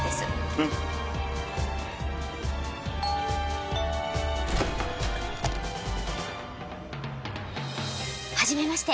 うん。はじめまして！